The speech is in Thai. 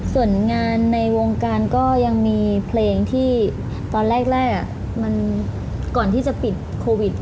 ส่วนงานในวงการก็ยังมีเพลงที่ตอนแรกมันก่อนที่จะปิดโควิด